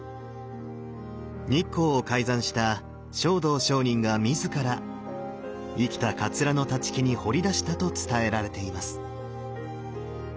日光を開山した勝道上人が自ら生きた桂の立木に彫り出したと伝えられています。